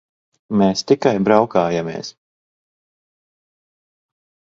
Mēs tikai braukājāmies.